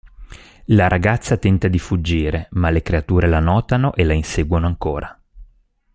La ragazza tenta di fuggire, ma le creature la notano e la inseguono ancora.